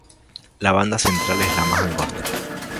La banda central es más angosta.